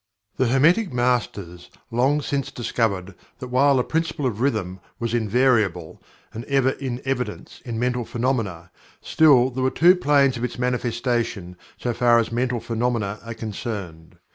The Hermetic Masters long since discovered that while the Principle of Rhythm was invariable, and ever in evidence in mental phenomena, still there were two planes of its manifestation so far as mental phenomena are concerned.